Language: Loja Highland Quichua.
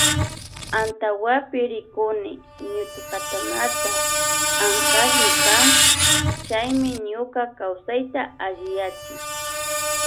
Antawapi rikuni ñutukatanaka ankasmi kan chaymi ñuka kawsayta alliyachin.